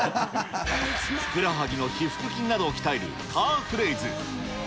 ふくらはぎの腓腹筋などを鍛えるカーフレイズ。